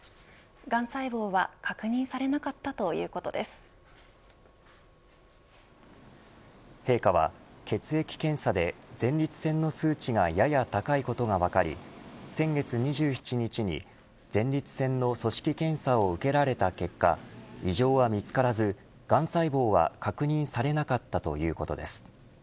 がん細胞は確認されなかった陛下は血液検査で前立腺の数値がやや高いことが分かり先月２７日に前立腺の組織検査を受けられた結果異常は見つからず、がん細胞は確認されなかったということです。